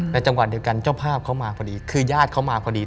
จังหวะเดียวกันเจ้าภาพเขามาพอดีคือญาติเขามาพอดี